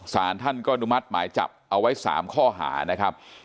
สารท่านก็อนุมัติหมายจับเอาไว้๓ข้อหานะครับ